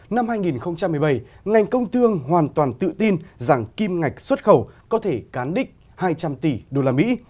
năm hai nghìn một mươi bảy ngành công thương hoàn toàn tự tin rằng kim ngạch xuất khẩu có thể cán đích hai trăm linh tỷ usd